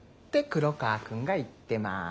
黒川くんが言ってます。